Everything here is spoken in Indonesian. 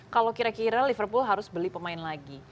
kalau kira kira liverpool harus beli pemain lagi